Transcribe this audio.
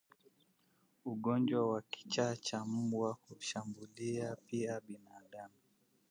Ugonjwa wa kichaa cha mbwa unashambulia pia binadamu